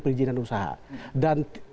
perizinan usaha dan